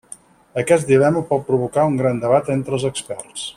Aquest dilema pot provocar un gran debat entre els experts.